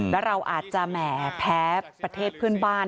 แล้วเราอาจจะแหมแพ้ประเทศเพื่อนบ้าน